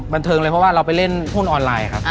บันเทิงเลยเพราะว่าเราไปเล่นหุ้นออนไลน์ครับ